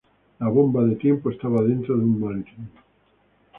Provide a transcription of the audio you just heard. La bomba de tiempo estaba dentro de un maletín.